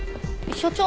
所長